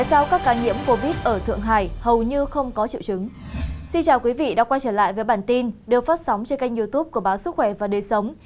xin chào quý vị đã quay trở lại với bản tin được phát sóng trên kênh youtube của báo sức khỏe và đời sống